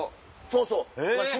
そうそう。